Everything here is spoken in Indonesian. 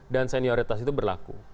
dan senioritas itu berlaku